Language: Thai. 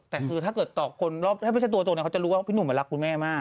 แต่คือถ้าไม่ใช่ตัวตัวกั้นเขาจะรู้ว่าพี่หนูก็รักคุณแม่มาก